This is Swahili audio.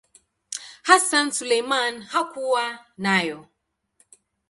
Hassan Suleiman hakuwa nayo.